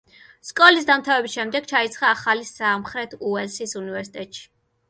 სკოლის დამთავრების შემდეგ ჩაირიცხა ახალი სამხრეთ უელსის უნივერსიტეტში.